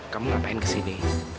kamu ngapain kesini